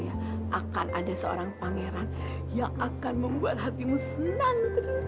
akan ada seorang pangeran yang akan membuat hatimu senang